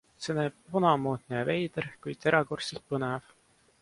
See näib vanamoodne ja veider, kuid erakordselt põnev!